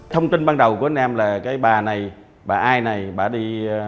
thông tin ban đầu của anh em là cái bà này bà ai này bà đi